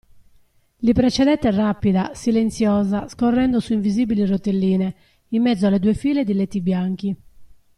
Li precedette rapida, silenziosa, scorrendo su invisibili rotelline, in mezzo alle due file di letti bianchi.